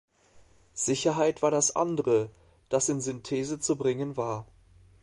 Sicherheit war das andere, das in Synthese zu bringen war.